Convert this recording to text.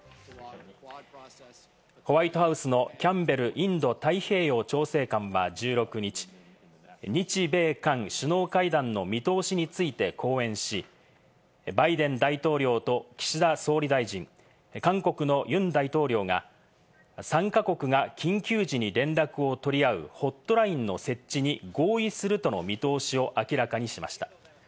ホワイトハウスのキャンベル・インド太平洋調整官は１６日、日米韓首脳会談の見通しについて講演し、バイデン大統領と岸田総理大臣、韓国のユン大統領が３か国が緊急時に連絡を取り合うホットラインの設置に合意するとの見通しを明らかにしました。